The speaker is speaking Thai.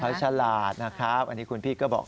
เขาฉลาดนะครับอันนี้คุณพี่ก็บอก